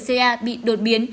gen brca bị đột biến